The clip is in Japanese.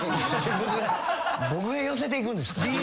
僕が寄せていくんですか。